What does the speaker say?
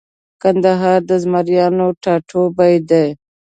کندهار د زمریانو ټاټوبۍ دی